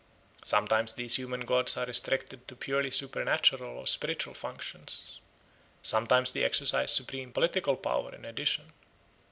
Sometimes these human gods are restricted to purely supernatural or spiritual functions. Sometimes they exercise supreme political power in addition.